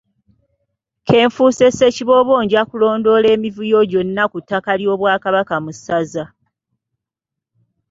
Ke nfuuse Ssekiboobo nja kulondoola emivuyo gyonna ku ttaka ly'Obwakabaka mu ssaza.